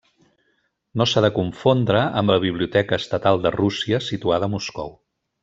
No s'ha de confondre amb la Biblioteca Estatal de Rússia, situada a Moscou.